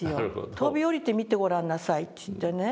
飛び降りてみてごらんなさいって言ってね。